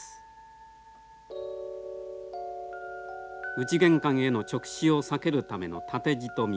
内玄関への直視を避けるための立蔀。